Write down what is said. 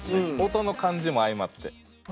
音の感じも相まって。